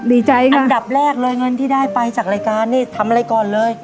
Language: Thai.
อันดับแรกเลยเงินที่ได้ไปจากรายการนี่ทำอะไรก่อนเลย